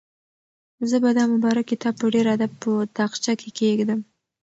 زه به دا مبارک کتاب په ډېر ادب په تاقچه کې کېږدم.